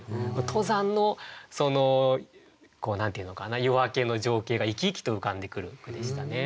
登山のそのこう何て言うのかな夜明けの情景が生き生きと浮かんでくる句でしたね。